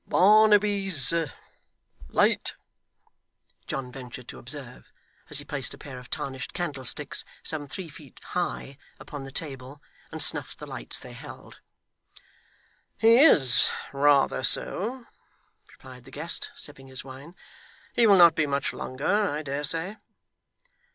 'Barnaby's late,' John ventured to observe, as he placed a pair of tarnished candlesticks, some three feet high, upon the table, and snuffed the lights they held. 'He is rather so,' replied the guest, sipping his wine. 'He will not be much longer, I dare say.